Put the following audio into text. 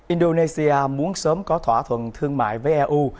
indonesia muốn sớm có thỏa thuận thương mại với eu